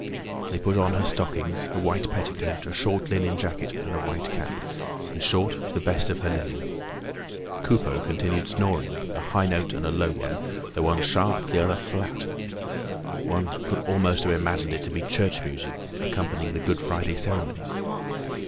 They put on her stockings, a white petticoat, a short linen jacket and a white cap—in short, the best of her linen. Coupeau continued snoring, a high note and a low one, the one sharp, the other flat. One could almost have imagined it to be church music accompanying the Good Friday ceremonies.